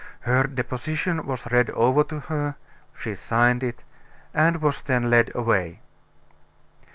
Her deposition was read over to her, she signed it, and was then led away.